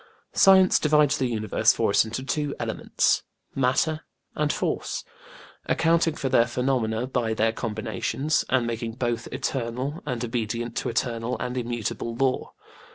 Science divides the universe for us into two elements matter and force; accounting for their phenomena by their combinations, and making both eternal and obedient to eternal and immutable law.